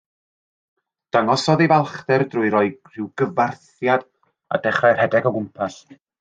Dangosodd ei falchder drwy roi rhyw gyfarthiad a dechrau rhedeg o gwmpas.